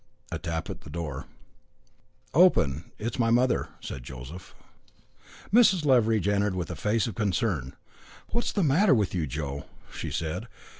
A tap at the door. "Open it is my mother," said Joseph. Mrs. Leveridge entered with a face of concern. "What is the matter with you, Joe?" she said.